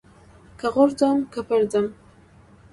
که غورځم که پرځم.